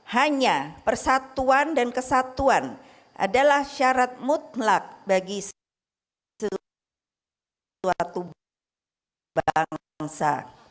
hanya persatuan dan kesatuan adalah syarat mutlak bagi suatu bangsa